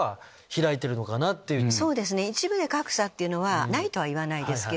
一部で格差っていうのはないとは言わないですけども。